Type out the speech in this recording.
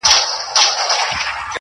پر هوسۍ سترګو چي رنګ د کجل راسي،